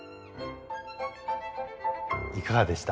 いかがでした？